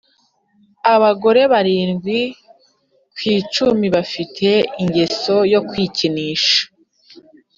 Abagore barindwi ku icumi bafite ingeso yo kwikinisha